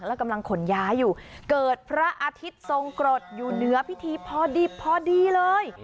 แล้วกำลังขนย้ายอยู่เกิดพระอาทิตย์ทรงกรดอยู่เหนือพิธีพอดิบพอดีเลย